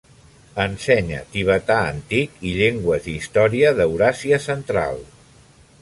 Ensenya tibetà antic i llengües i història d'Euràsia Central.